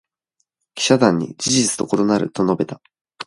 記者団に「事実と異なる」と述べた。